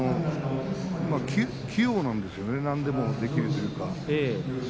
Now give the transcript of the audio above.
器用なんですよね何でもできるというか。